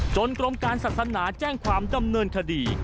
กรมการศาสนาแจ้งความดำเนินคดี